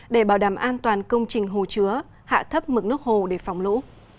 để bảo đảm an toàn công trình hồ chứa hạ thấp mực nước hồ để phòng lũ